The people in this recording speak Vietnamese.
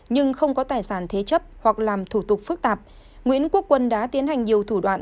nhưng không có tài sản thế chấp hoặc làm thủ tục phức tạp nguyễn quốc quân đã tiến hành nhiều thủ đoạn